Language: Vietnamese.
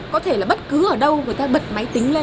có thể là bất cứ ở đâu người ta bật máy tính lên